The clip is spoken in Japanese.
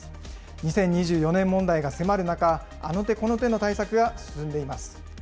２０２４年問題が迫る中、あの手この手の対策が進んでいます。